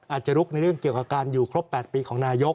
อาจจะลุกในเรื่องเกี่ยวกับการอยู่ครบ๘ปีของนายก